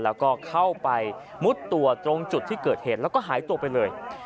แล้วก็เข้าไปมุดตัวตรงจุดที่เกิดเหตุแล้วก็หายตัวไปเลย